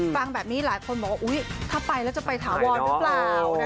ฟังแบบนี้หลายคนบอกว่าถ้าไปแล้วจะไปถาวรหรือเปล่า